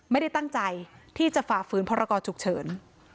ไม่ได้ตั้งใจที่จะฝ่าฝืนพรกรฉุกเฉิน